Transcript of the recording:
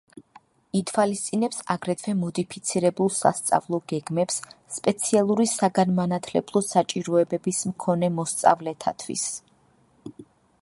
ეროვნული სასწავლო გეგმა ითვალისწინებს აგრეთვე მოდიფიცირებულ სასწავლო გეგმებს სპეციალური საგანმანათლებლო საჭიროებების მქონე მოსწავლეთათვის.